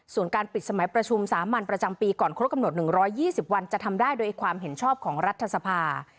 ส่วนการปิดสมัยประชุมสามัญประจำปีก่อนครบกำหนด๑๒๐วันจะทำได้โดยความเห็นชอบของรัฐสภา